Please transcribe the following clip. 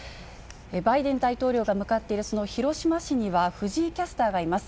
バイデン大統領が向かっているその広島市には、藤井キャスターがいます。